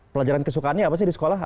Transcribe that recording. pelajaran kesukaannya apa sih di sekolah